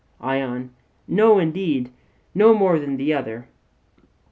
ION: No indeed; no more than the other.